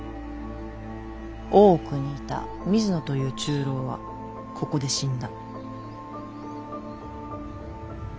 大奥にいた水野という中臈はここで死んだ。